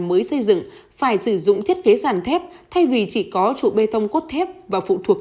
mới xây dựng phải sử dụng thiết kế giản thép thay vì chỉ có trụ bê tông cốt thép và phụ thuộc